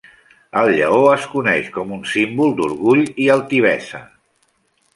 El lleó es coneix com un símbol d'orgull i altivesa.